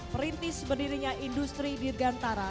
perintis berdirinya industri dirgantara